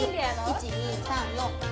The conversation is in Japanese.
１２３４。